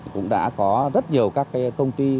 cũng đã có rất nhiều công ty